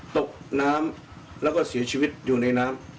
ตกน้ำแล้วก็เสียชีวิตอยู่ในน้ำ